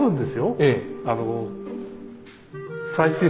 ええ。